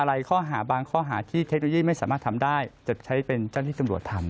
อะไรข้อหาบางข้อหาที่เทคโนโลยีไม่สามารถทำได้จะใช้เป็นเจ้าหน้าที่ตำรวจทำ